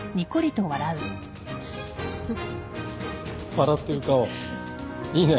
・笑ってる顔いいね。